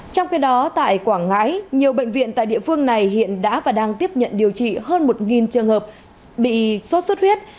trong khi đó tại quảng ngãi nhiều bệnh viện tại địa phương này hiện đã và đang tiếp nhận điều trị hơn một trường hợp bị sốt xuất huyết